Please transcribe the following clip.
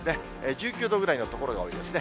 １９度ぐらいの所が多いですね。